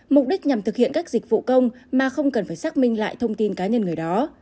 mục đích nhằm thực hiện các dịch vụ công mà không cần phải xác minh lại thông tin cá nhân người đó